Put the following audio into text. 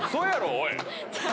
おい！